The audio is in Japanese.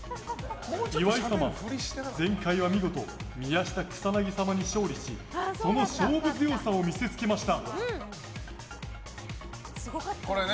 岩井様、前回は見事宮下草薙様に勝利しその勝負強さを見せつけました。